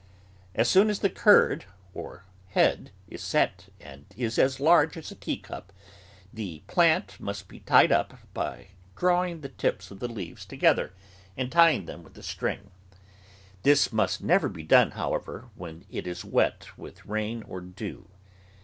As soon as the curd, or head, is set and is as large as a teacup, the plant must be tied up by drawing the tips of the leaves together and tying them wdth a string. This must never be done, how ever, when it is wet with rain or dew.